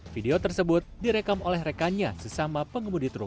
video tersebut direkam oleh rekannya sesama pengemudi truk